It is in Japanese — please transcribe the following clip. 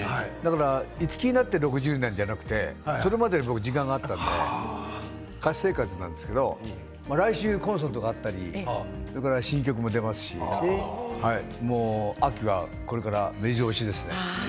五木になって６０年ではなくてそれまでも時間があったので歌手生活なんですけど来週コンサートがあったりそれから新曲も出ますし秋はこれからめじろ押しですね。